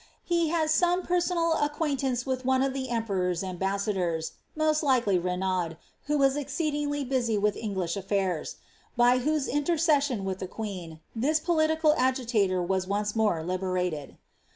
He had some personal acquaintance with one of the emperor^s ambassadoit (most likely with Renaud, who was exceedingly busy with Englidi aAirs), by whoee intercession with the queen, this political agitator was once more liberated.